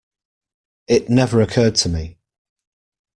It never occurred to me.